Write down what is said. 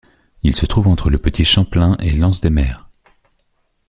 Il se trouve entre le Petit Champlain et l’Anse-des-Mères.